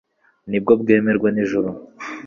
ni bwo bwemerwa n’Ijuru.